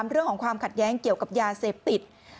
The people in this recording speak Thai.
เรื่องของความขัดแย้งเกี่ยวกับยาเสพติด